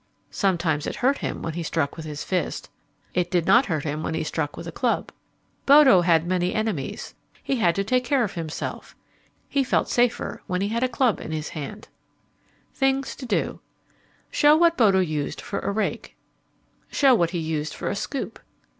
Sometimes it hurt him when he struck with his fist. It did not hurt him when he struck with a club. Bodo had many enemies. He had to take care of himself. He felt safer when he had a club in his hand. [Illustration: The stick Bodo used] THINGS TO DO Show what Bodo used for a rake. _Show what he used for a scoop.